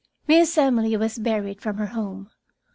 Miss Emily was buried from her home.